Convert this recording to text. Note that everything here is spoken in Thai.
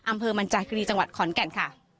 อำเภอมันจากครีจังหวัดขอนแก่นค่ะ